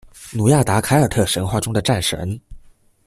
努亚达凯尔特神话中的战神。